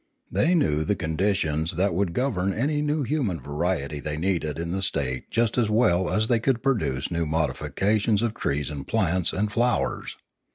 They knew the conditions that would govern any new human variety they needed in the state just as well as they could produce new modifications of trees and plants and flowers.